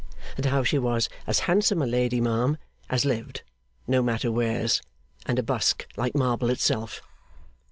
That how she was as handsome a lady, ma'am, as lived, no matter wheres, and a busk like marble itself.